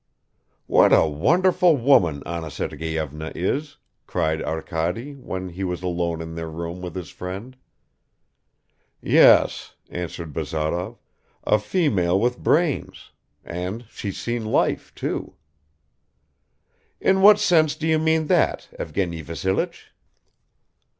"What a wonderful woman Anna Sergeyevna is!" cried Arkady, when he was alone in their room with his friend. "Yes," answered Bazarov, "a female with brains; and she's seen life too." "In what sense do you mean that, Evgeny Vassilich?"